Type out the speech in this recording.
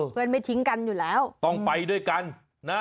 ไม่ทิ้งกันอยู่แล้วต้องไปด้วยกันนะ